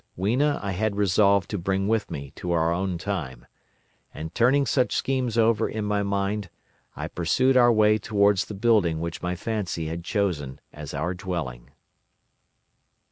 Weena I had resolved to bring with me to our own time. And turning such schemes over in my mind I pursued our way towards the building which my fancy had chosen as our dwelling.